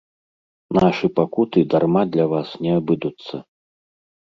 Нашы пакуты дарма для вас не абыдуцца.